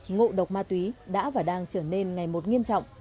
ngộ độc ma túy đã và đang trở nên ngày một nghiêm trọng